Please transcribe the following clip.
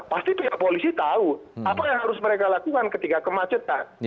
pasti pihak polisi tahu apa yang harus mereka lakukan ketika kemacetan